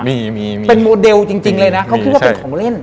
มีมีเป็นโมเดลจริงเลยนะเขาคิดว่าเป็นของเล่น